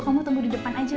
kamu tunggu di depan aja